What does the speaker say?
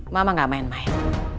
mama gak main main